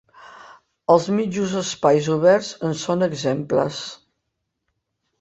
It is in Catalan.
Els mitjos espais oberts en són exemples.